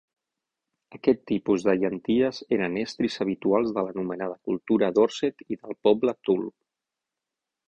Aquest tipus de llànties eren estris habituals de l'anomenada cultura Dorset i del poble Thule.